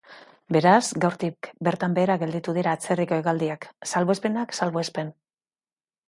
Beraz, gaurtik bertan behera gelditu dira atzerriko hegaldiak, salbuespenak salbuespen.